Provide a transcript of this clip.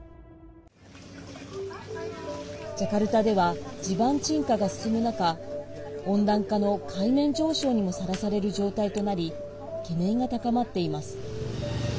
ジャカルタでは地盤沈下が進む中温暖化の海面上昇にもさらされる状態となり懸念が高まっています。